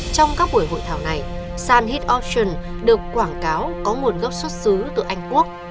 trong các buổi hội thảo này san hit option được quảng cáo có nguồn gốc xuất xứ từ anh quốc